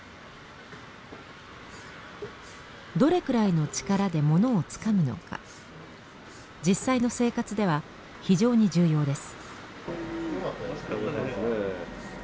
どれくらいの力で物をつかむのか実際の生活では非常に重要です。